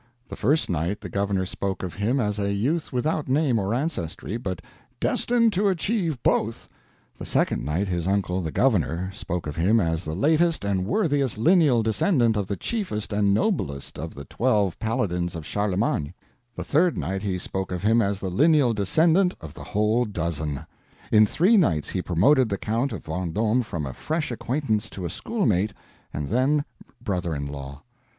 The first night the governor spoke of him as a youth without name or ancestry, but "destined to achieve both"; the second night his uncle the governor spoke of him as the latest and worthiest lineal descendent of the chiefest and noblest of the Twelve Paladins of Charlemagne; the third night he spoke of him as the lineal descendent of the whole dozen. In three nights he promoted the Count of Vendome from a fresh acquaintance to a schoolmate, and then brother in law.